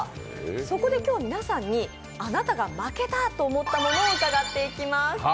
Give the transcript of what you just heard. そこで今日は皆さんに、あなたが負けた！と思った物を伺います。